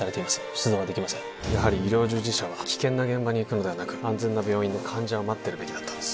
出動はできませんやはり医療従事者は危険な現場に行くのではなく安全な病院で患者を待ってるべきだったんです